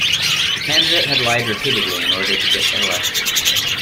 The candidate had lied repeatedly in order to get elected